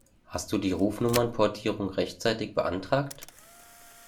Hast du die Rufnummernportierung rechtzeitig beantragt?